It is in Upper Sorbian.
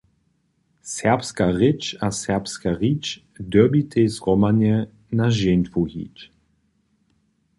Serbska rěč a serbska rić, dyrbitej zhromadnje na žentwu hić.